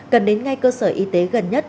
cần đến ngay cơ sở y tế gần nhất